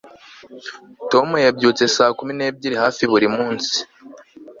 tom yabyutse saa kumi n'ebyiri hafi buri munsi